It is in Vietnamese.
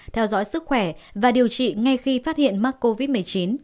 theo dõi sức khỏe và điều trị ngay khi phát hiện mắc covid một mươi chín